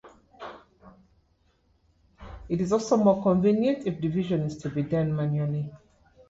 It is also more convenient if division is to be done manually.